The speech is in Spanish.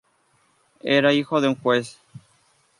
Era hijo de un juez.